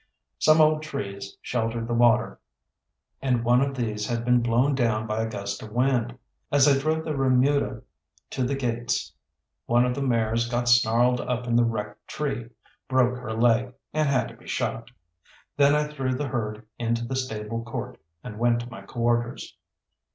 Some old trees sheltered the water, and one of these had been blown down by a gust of wind. As I drove the remuda to the gates, one of the mares got snarled up in the wrecked tree, broke her leg, and had to be shot. Then I threw the herd into the stable court, and went to my quarters.